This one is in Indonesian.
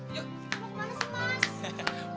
kamu kemana sih mas